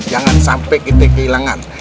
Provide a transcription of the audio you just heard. jangan sampai kita kehilangan